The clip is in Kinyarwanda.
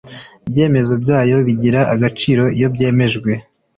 ibyemezo byayo bigira agaciro iyo byemejwe